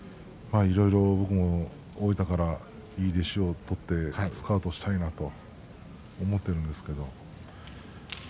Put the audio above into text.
大分からいい弟子を取ってスカウトしたいなと思っているんですけど。